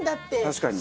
確かに。